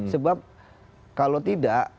sebab kalau tidak